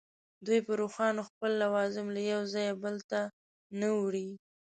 دوی پر اوښانو خپل لوازم له یوه ځایه بل ته نه وړي.